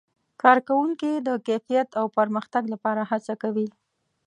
کارکوونکي د کیفیت او پرمختګ لپاره هڅه کوي.